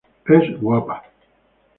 Es guapa.